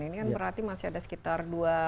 ini kan berarti masih ada sekitar